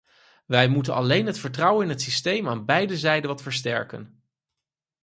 Wij moeten alleen het vertrouwen in het systeem aan beiden zijden wat versterken.